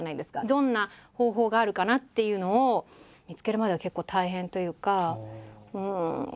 どんな方法があるかなっていうのを見つけるまでは結構大変というか。